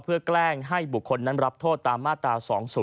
แกล้งให้บุคคลนั้นรับโทษตามมาตรา๒๐